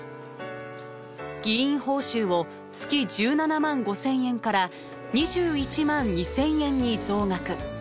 議員報酬を月１７万５０００円から２１万２０００円に増額。